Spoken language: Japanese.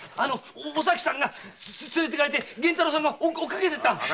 お咲さんが連れて行かれて源太郎さんが追いかけて行った。